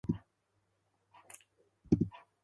Conley is married to Katherine Conley and has three children.